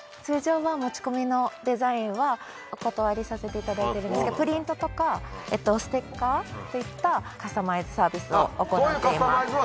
通常は持ち込みのデザインはお断りさせていただいてるんですけどプリントとかステッカーといったカスタマイズサービスを行ってます。